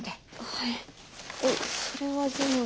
はいそれは全部。